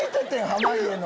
濱家の。